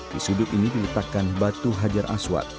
di sudut ini diletakkan batu hajar aswad